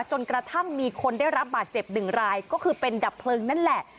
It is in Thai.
จนกระทั่งมีคนได้รับบาดเจ็บหนึ่งรายก็คือเป็นดับเพลิงนั่นแหละ